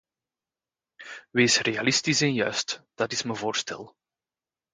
Wees realistisch en juist, dat is mijn voorstel.